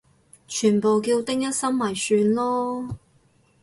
全部叫丁一心咪算囉